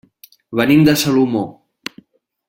Venim de Salomó.